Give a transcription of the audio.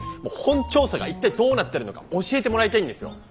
もう本調査が一体どうなってるのかを教えてもらいたいんですよ。